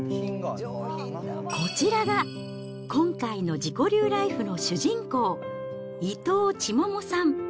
こちらが、今回の自己流ライフの主人公、伊藤千桃さん。